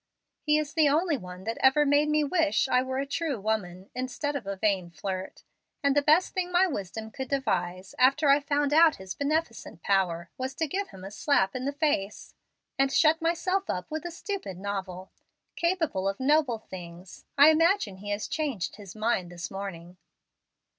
He is the only one that ever made me wish I were a true woman, instead of a vain flirt; and the best thing my wisdom could devise, after I found out his beneficent power, was to give him a slap in the face, and shut myself up with a stupid novel. 'Capable of noble things!' I imagine he has changed his mind this morning.